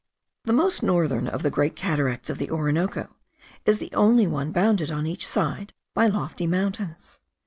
The most northern of the great cataracts of the Orinoco is the only one bounded on each side by lofty mountains.